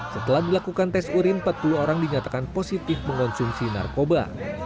setelah dilakukan tes urin empat puluh orang dinyatakan positif mengonsumsi narkoba